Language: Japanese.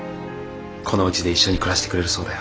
このうちで一緒に暮らしてくれるそうだよ。